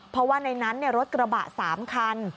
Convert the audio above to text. เพราะว่าในนั้นรถกระบะ๓คัน